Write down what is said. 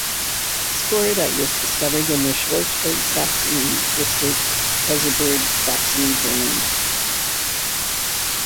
Scorodite was discovered in the Schwarzenberg, Saxony district, Erzgebirge, Saxony, Germany.